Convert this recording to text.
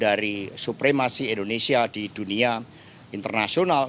dari supremasi indonesia di dunia internasional